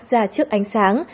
ra trước ánh sáng